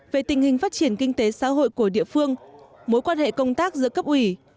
về tình hình phát triển kinh tế xã hội của địa phương mối quan hệ công tác giữa cấp ủy